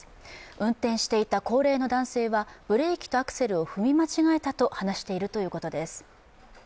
運転していた高齢の男性はブレーキとアクセルを踏み間違えたと話しているということです。